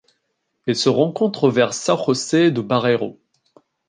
Elle se rencontre vers São José do Barreiro.